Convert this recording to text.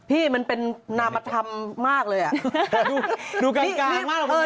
พี่มันเป็นนามธรรมมากเลยอ่ะดูกลางมากเลย